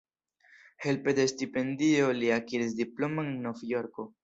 Helpe de stipendio li akiris diplomon en Novjorko.